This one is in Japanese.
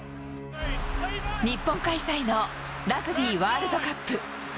日本開催のラグビーワールドカップ。